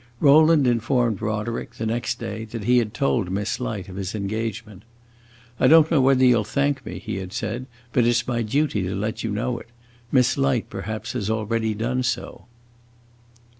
Rowland informed Roderick, the next day, that he had told Miss Light of his engagement. "I don't know whether you 'll thank me," he had said, "but it 's my duty to let you know it. Miss Light perhaps has already done so."